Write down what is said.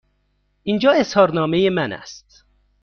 اینجا اظهارنامه من است.